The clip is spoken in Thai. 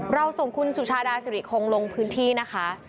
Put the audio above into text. เราส่งคุณสุชาดาสิริคงลงพื้นที่นะคะ